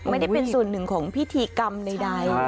ไม่ได้เป็นส่วนหนึ่งของพิธีกรรมใด